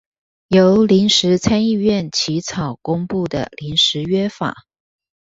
由臨時參議院起草公布的臨時約法